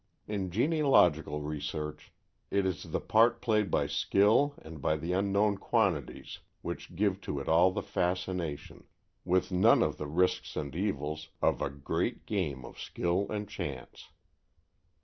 In genealogical research it is the part played by skill and by the unknown quantities which gives to it all the fascination, with none of the risks and evils, of a great game of skill and chance.